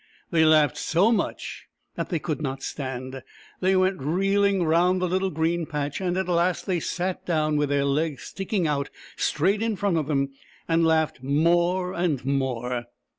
They laughed so much that they could not stand — they went reel ing round the little green patch, and at last they sat down, with their legs sticking out straight in front of them, and laughed more and more.